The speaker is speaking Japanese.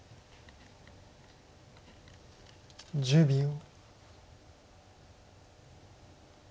１０秒。